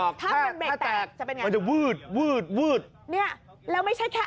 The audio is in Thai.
กระสักเครื่องเหยียบจะลิฟท์